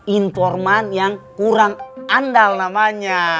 informan yang kurang andal namanya